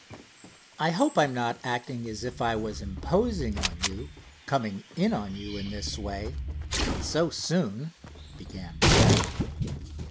"I hope I'm not acting as if I was imposing on you, coming in on you in this way, and so soon," began Bruce.